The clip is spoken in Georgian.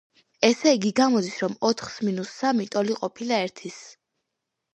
ესე იგი, გამოდის, რომ ოთხს მინუს სამი ტოლი ყოფილა ერთის.